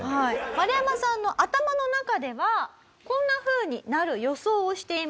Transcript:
マルヤマさんの頭の中ではこんなふうになる予想をしていました。